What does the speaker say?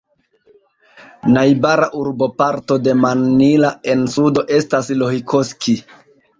Najbara urboparto de Mannila en sudo estas Lohikoski.